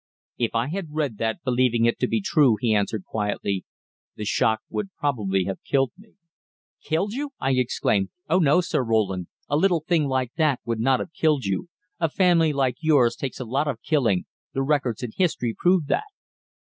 "If I had read that, believing it to be true," he answered quietly, "the shock would probably have killed me." "Killed you!" I exclaimed. "Oh, no, Sir Roland, a little thing like that would not have killed you; a family like yours takes a lot of killing the records in history prove that."